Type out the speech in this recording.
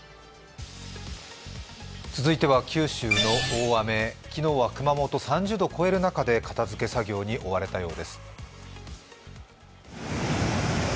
続いては九州の大雨昨日は熊本、３０度を超える中で片づけ作業に追われたようです。